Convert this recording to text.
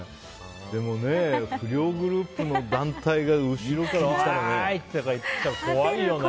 でもね、不良グループの団体が後ろから来たら怖いよね。